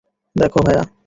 দেখো, ভায়া।